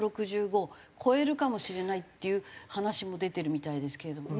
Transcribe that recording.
１６５を超えるかもしれないっていう話も出てるみたいですけれども。